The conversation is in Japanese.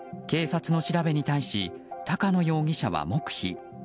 警察の調べに対し高野容疑者は黙秘。